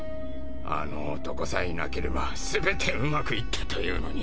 あの男さえいなければ全てうまくいったというのに。